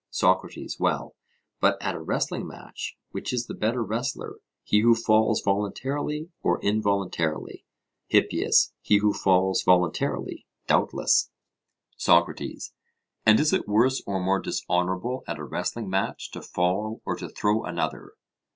SOCRATES: Well, but at a wrestling match which is the better wrestler, he who falls voluntarily or involuntarily? HIPPIAS: He who falls voluntarily, doubtless. SOCRATES: And is it worse or more dishonourable at a wrestling match, to fall, or to throw another?